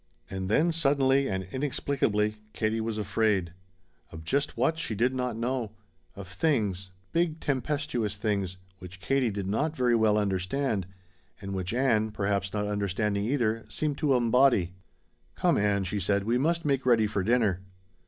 And then, suddenly and inexplicably, Katie was afraid. Of just what, she did not know; of things big, tempestuous things which Katie did not very well understand, and which Ann perhaps not understanding either seemed to embody. "Come, Ann," she said, "we must make ready for dinner."